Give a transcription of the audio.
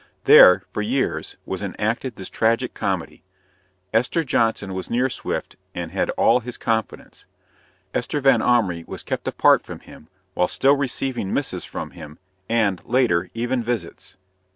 There, for years, was enacted this tragic comedy Esther Johnson was near Swift, and had all his confidence; Esther Vanhomrigh was kept apart from him, while still receiving missives from him, and, later, even visits.